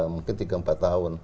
mungkin tiga empat tahun